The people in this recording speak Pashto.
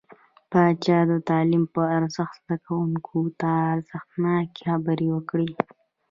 پاچا د تعليم په ارزښت، زده کوونکو ته ارزښتناکې خبرې وکړې .